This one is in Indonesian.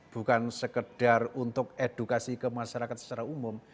bukan sekedar untuk edukasi ke masyarakat secara umum